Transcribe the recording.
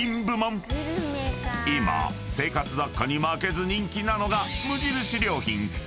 ［今生活雑貨に負けず人気なのが］